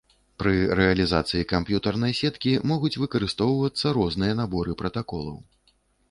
Пры рэалізацыі камп'ютарнай сеткі, могуць выкарыстоўвацца розныя наборы пратаколаў.